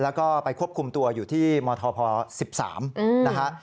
แล้วก็ไปควบคุมตัวอยู่ที่มธพ๑๓นะฮะ